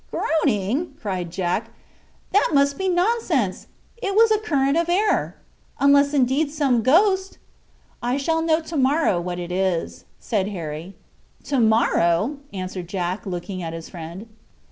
"Groaning!" cried Jack, "that must be nonsense; it was a current of air—unless indeed some ghost—" "I shall know to morrow what it was," said Harry. "To morrow?" answered Jack, looking at his friend.